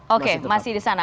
oke masih di sana